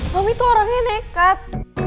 mami tuh orangnya nekat